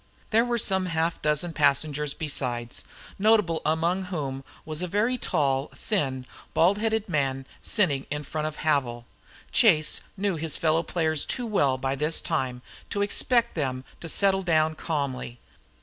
There were some half dozen passengers besides, notable among whom was a very tall, thin, bald headed man sitting in front of Havil. Chase knew his fellow players too well by this time to expect them to settle down calmly.